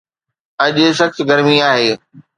اڄ سخت گرمي آهي